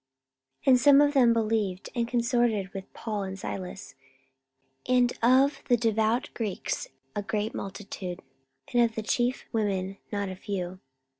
44:017:004 And some of them believed, and consorted with Paul and Silas; and of the devout Greeks a great multitude, and of the chief women not a few.